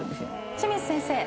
清水先生。